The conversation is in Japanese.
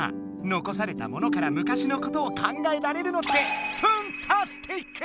残されたものからむかしのことを考えられるのって墳タスティック！